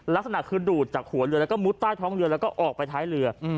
ลักษณะคือดูดจากหัวเรือแล้วก็มุดใต้ท้องเรือแล้วก็ออกไปท้ายเรือ